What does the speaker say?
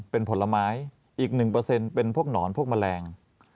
เป็นผลไม้อีก๑เป็นพวกหนอนพวกแมลง